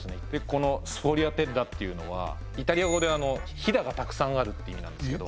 このスフォリアテッラっていうのはイタリア語でヒダがたくさんあるって意味なんですけど